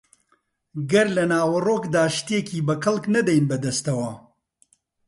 گەر لە ناوەڕۆکدا شتێکی بە کەڵک نەدەین بەدەستەوە